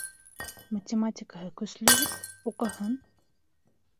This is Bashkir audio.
Математикаһы көслө бит, уҡыһын.